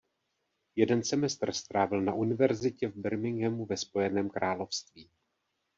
Jeden semestr strávil na univerzitě v Birminghamu ve Spojeném království.